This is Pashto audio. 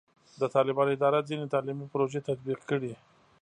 د طالبانو اداره ځینې تعلیمي پروژې تطبیق کړي.